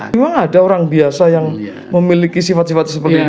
memang ada orang biasa yang memiliki sifat sifat seperti itu